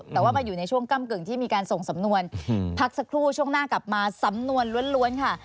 แต่ว่ามาอยู่ในช่วงก้ำกึ่งที่มีการส่งสำนวนพักสักครู่ช่วงหน้ากลับมาสำนวนล้วนค่ะ